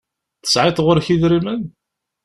Tesεiḍ ɣur-k idrimen?